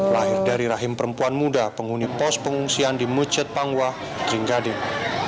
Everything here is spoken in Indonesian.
lahir dari rahim perempuan muda penghuni pos pengungsian di mucet pangwa king gading